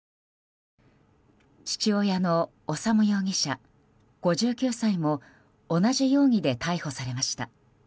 父親の修容疑者、５９歳も同じ容疑で逮捕されました。